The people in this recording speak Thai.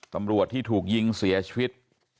ตำรวจที่ถูกยิงเสียชีวิต